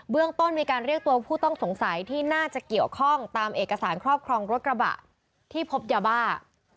เรื่องต้นมีการเรียกตัวผู้ต้องสงสัยที่น่าจะเกี่ยวข้องตามเอกสารครอบครองรถกระบะที่พบยาบ้า